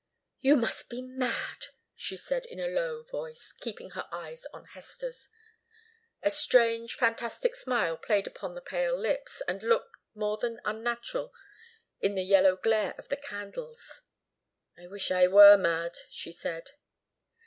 "You must be mad," she said, in a low voice, keeping her eyes on Hester's. A strange, fantastic smile played upon the pale lips, and looked more than unnatural in the yellow glare of the candles. "I wish I were mad," she said.